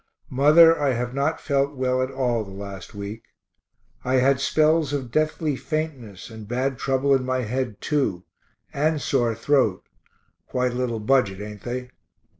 Mother, I have not felt well at all the last week. I had spells of deathly faintness and bad trouble in my head too, and sore throat (quite a little budget, ain't they?)